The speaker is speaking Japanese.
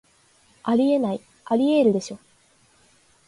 あり得ない、アリエールでしょ